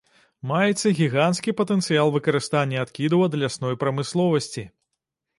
Маецца гіганцкі патэнцыял выкарыстання адкідаў ад лясной прамысловасці.